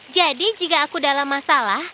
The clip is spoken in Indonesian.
jadi jika aku dalam masalah